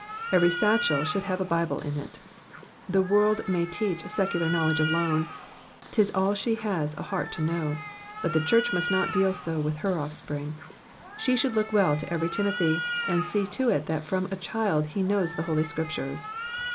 Every satchel should have a Bible in it. The world may teach secular knowledge ulone, ^tis all she has a heart to know, but the church must not deal so with her offspring ; she should look well to every Timothy, and see to it that from a child he knows the Holy Scriptures.